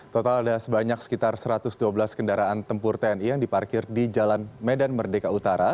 total ada sebanyak sekitar satu ratus dua belas kendaraan tempur tni yang diparkir di jalan medan merdeka utara